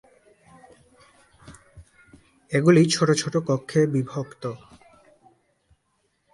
এগুলি ছোট ছোট কক্ষে বিভক্ত।